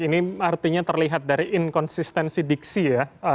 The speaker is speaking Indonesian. ini artinya terlihat dari inkonsistensi diksi ya